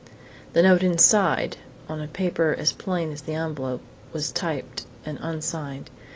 The note inside, on paper as plain as the envelope, was typed and unsigned.